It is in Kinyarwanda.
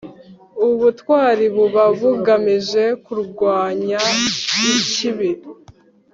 ubutwari buba bugamije kurwanya ikibi